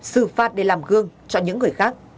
xử phạt để làm gương cho những người khác